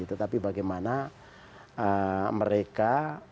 tetapi bagaimana mereka